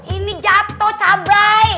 ini jatuh cabai